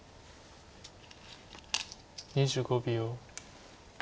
２５秒。